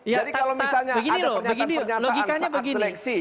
jadi kalau misalnya ada pernyataan pernyataan saat seleksi